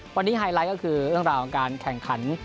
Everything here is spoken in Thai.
วันนี้ไฮไลท์ก็คือเรื่องราวของการแข่งขัน